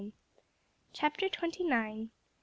CHAPTER TWENTY NINE.